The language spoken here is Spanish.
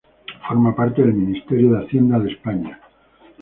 Forma parte del Ministerio de Hacienda de España.